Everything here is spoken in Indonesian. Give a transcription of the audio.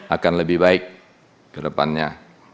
akan lebih baik ke depannya